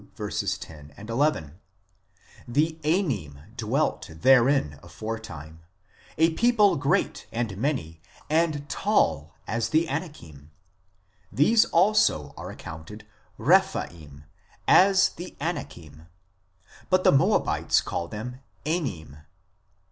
10, 11 : "The Emim dwelt therein aforetime, a people great, and many, and tall, as the Anakim ; these also are accounted Rephaim, as the Anakim ; but the Moabites call them Emim."